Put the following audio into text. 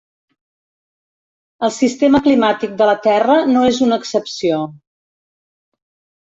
El sistema climàtic de la terra no és una excepció.